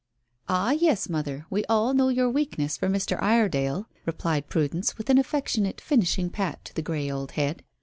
"Ah, yes, mother, we all know your weakness for Mr. Iredale," replied Prudence, with an affectionate finishing pat to the grey old head.